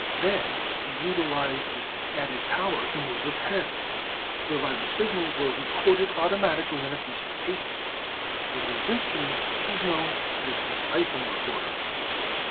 Then he utilised this added power to move a pen whereby the signals were recorded automatically upon a piece of paper. The new instrument is known as the Siphon Recorder.